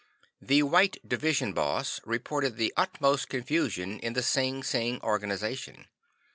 The White Division Boss reported the utmost confusion in the Sinsing organization.